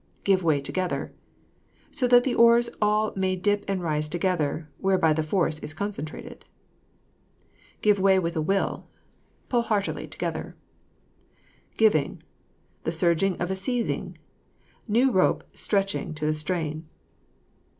GIVE WAY TOGETHER. So that the oars may all dip and rise together, whereby the force is concentrated. GIVE WAY WITH A WILL. Pull heartily together. GIVING. The surging of a seizing; new rope stretching to the strain.